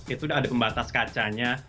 itu ada pembatas kacanya